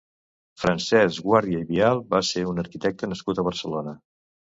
Francesc Guàrdia i Vial va ser un arquitecte nascut a Barcelona.